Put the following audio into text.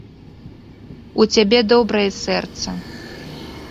У цябе добрае сэрца.